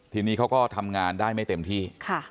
ทีนี้เขาก็ทำงานได้ไม่เต็มที่